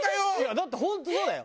だって本当そうだよ！